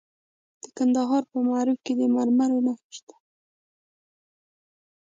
د کندهار په معروف کې د مرمرو نښې شته.